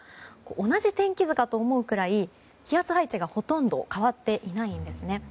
同じ天気図かと思うくらい気圧配置がほとんど変わっていないんですね。